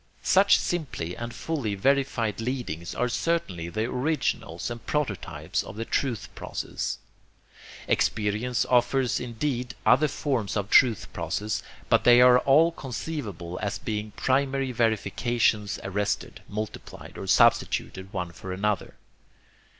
SUCH SIMPLY AND FULLY VERIFIED LEADINGS ARE CERTAINLY THE ORIGINALS AND PROTOTYPES OF THE TRUTH PROCESS. Experience offers indeed other forms of truth process, but they are all conceivable as being primary verifications arrested, multiplied or substituted one for another.